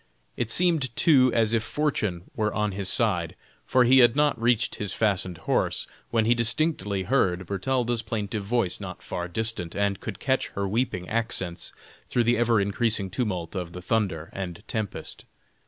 It seemed too as if fortune were on his side, for he had not reached his fastened horse, when he distinctly heard Bertalda's plaintive voice not far distant, and could catch her weeping accents through the ever increasing tumult of the thunder and tempest.